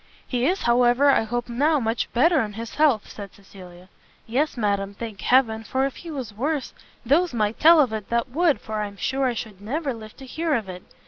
"He is, however, I hope now much better in his health?" said Cecilia. "Yes, madam, thank heaven, for if he was worse, those might tell of it that would, for I'm sure I should never live to hear of it.